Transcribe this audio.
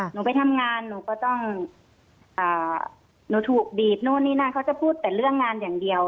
หนูไปทำงานหนูก็ต้องหนูถูกบีดนู่นนี่นั่นเขาจะพูดแต่เรื่องงานอย่างเดียว